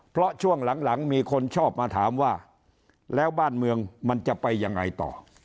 เพราะช่วงหลังมีคนชอบมาถามว่าแล้วบ้านเมืองมันจะไปยังไงต่อ